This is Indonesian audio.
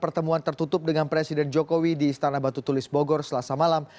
pertemuan tertutup dengan presiden jokowi di istana batu tulis bogor selasa malam